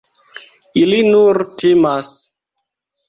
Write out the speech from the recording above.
Ili nur timas.